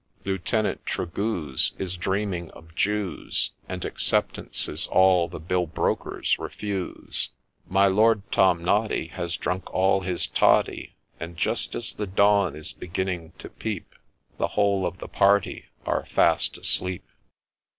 Lieutenant Tregooze Is dreaming of Jews, And acceptances all the bill brokers refuse ; My Lord Tomnoddy Has drunk all his toddy, And just as the dawn is beginning to peep, The whole of the party are fast asleep.